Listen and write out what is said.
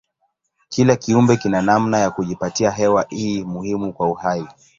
Kila kiumbe kina namna ya kujipatia hewa hii muhimu kwa uhai.